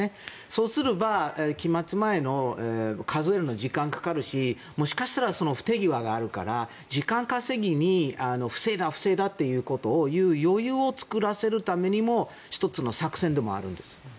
そうすれば、期日前で数えるのに時間がかかるしもしかしたら不手際があるから時間稼ぎに不正だ、不正だということを言う余裕を作らせるためにも１つの作戦でもあるんです。